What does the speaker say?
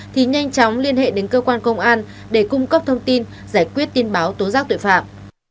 thì nhanh chóng liên hệ đến cơ quan công an để cung cấp thông tin giải quyết tin báo tố giác tội phạm